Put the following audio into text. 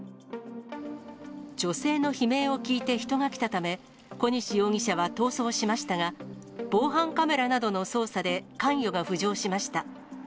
女性の悲鳴を聞いて人が来たため、小西容疑者は逃走しましたが、防犯カメラなどの捜査で関与が浮上しました。